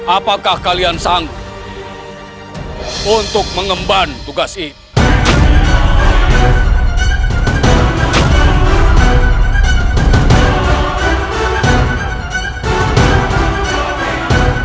apakah kalian sanggup untuk mengemban tugas ini